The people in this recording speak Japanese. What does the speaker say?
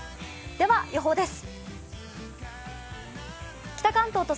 では予報です。